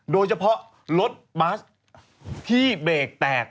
โดยเฉพาะรถบัสที่เบรกแตก